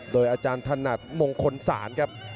โดยอาจารย์ถนัดมงคลศาลครับ